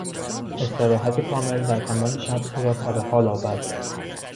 استراحت کامل در تمام شب او را سرحال آورد.